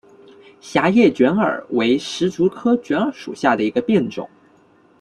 狭叶卷耳为石竹科卷耳属下的一个变种。